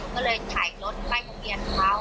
ก็เลยไขรถอยรถไปทุกหมื่นข้าว